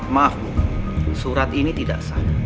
maaf surat ini tidak sah